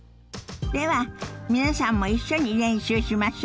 では皆さんも一緒に練習しましょ。